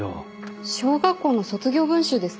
小学校の卒業文集ですか？